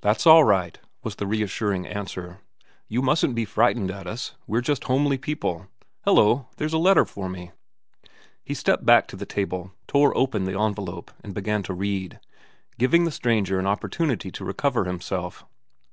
"That's all right," was the reassuring answer. "You mustn't be frightened at us. We're just homely people—Hello, there's a letter for me." He stepped back to the table, tore open the envelope, and began to read, giving the stranger an opportunity to recover himself.